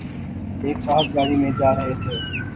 ایک صاحب گاڑی میں جارہے تھے